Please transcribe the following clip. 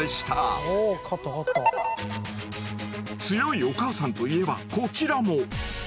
強いお母さんといえばこちらも。